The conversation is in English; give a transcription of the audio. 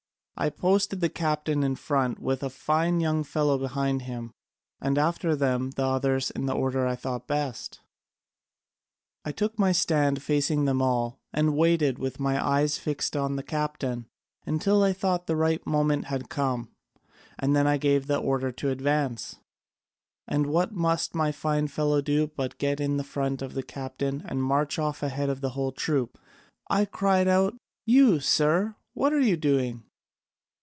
I posted the captain in front with a fine young fellow behind him, and after them the others in the order I thought best; I took my stand facing them all, and waited, with my eyes fixed on the captain, until I thought the right moment had come, and then I gave the order to advance. And what must my fine fellow do but get in front of the captain and march off ahead of the whole troop. I cried out, 'You, sir, what are you doing?'